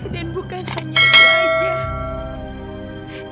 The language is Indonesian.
dan bukan hanya itu saja